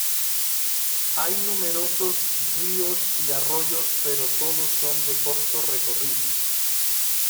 Hay numerosos ríos y arroyos pero todos son de corto recorrido.